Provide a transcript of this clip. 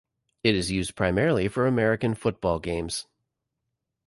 It is used primarily for American football games.